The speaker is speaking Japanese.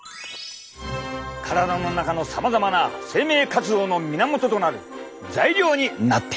体の中のさまざまな生命活動の源となる材料になっている！